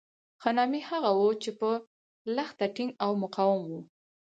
ښه نامي هغه وو چې په لښته ټینګ او مقاوم وو.